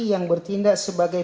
yang bertindak sebagai